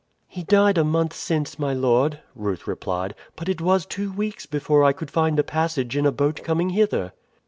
"He died a month since, my lord," Ruth replied; "but it was two weeks before I could find a passage in a boat coming hither."